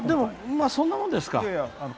そんなもんですか。